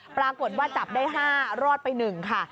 ปรากฏว่าจับได้๕รอดไป๑ค่ะ